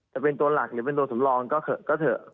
จะเป็นตัวหลักหรือเป็นตัวสำรองก็เถอะก็เถอะ